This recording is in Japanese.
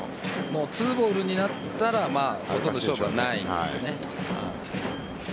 ２ボールになったらほとんど勝負はないですよね。